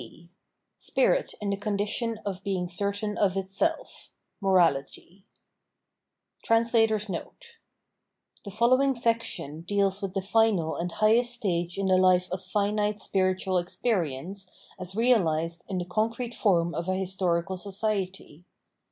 0 Spirit in the Condition of being Certain of Itself : Morality [The following section deals with the final and highest stage in the life of finite spiritual experience as realised in the concrete form of a historical society.